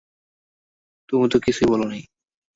তুমি তো কিছুই বলনি।